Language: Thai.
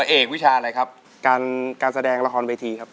เอกวิชาอะไรครับการการแสดงละครเวทีครับ